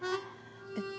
えっ。